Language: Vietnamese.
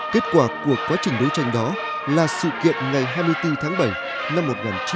kết quả của quá trình đấu tranh đó là sự kiện ngày hai mươi bốn tháng bảy năm một nghìn chín trăm bảy mươi